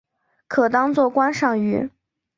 可当作观赏鱼。